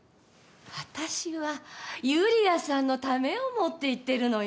私はユリアさんのためを思って言ってるのよ？